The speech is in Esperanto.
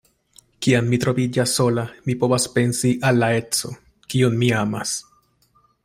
Kiam mi troviĝas sola, mi povas pensi al la edzo, kiun mi amas.